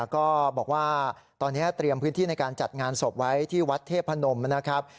ก็บอกว่าตอนนี้เตรียมพื้นที่ในการจัดงานศพไว้ที่วัดเทพนมนะครับ